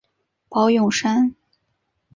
宝永山。